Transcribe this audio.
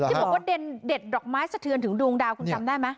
ที่บอกว่าเด็ดดอกไม้สะเทือนถึงดวงดาวคุณจำได้ไหม